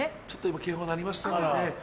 ちょっと今警報鳴りましたので。